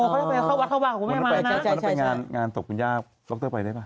เขาก็ไปเข้าวัดเข้าบ้านกูไม่มานะ